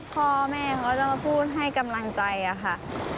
พ่อแม่เขาจะมาพูดให้กำลังใจค่ะ